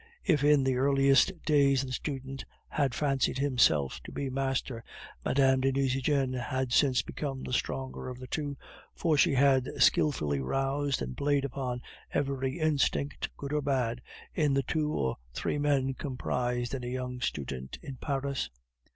If in the earliest days the student had fancied himself to be master, Mme. de Nucingen had since become the stronger of the two, for she had skilfully roused and played upon every instinct, good or bad, in the two or three men comprised in a young student in Paris.